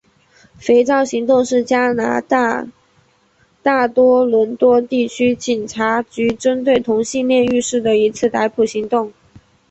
肥皂行动是加拿大大多伦多地区警察局针对同性恋浴室的一次逮捕行动。